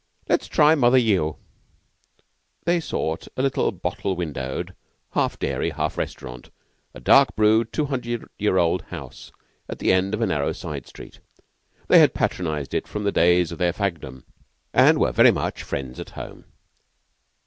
Let's try Mother Yeo." They sought a little bottle windowed half dairy, half restaurant, a dark brewed, two hundred year old house, at the head of a narrow side street. They had patronized it from the days of their fagdom, and were very much friends at home.